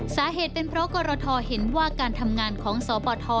สาเหตุเป็นเพราะกรทเห็นว่าการทำงานของสปท